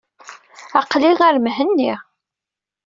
Aqli ar Mhenni.